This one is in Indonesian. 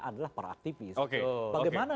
adalah para aktivis bagaimana